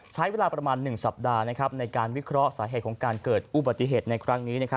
ใช้เวลาประมาณ๑สัปดาห์ในการวิเคราะห์สาเหตุของการเกิดอุบัติเหตุในครั้งนี้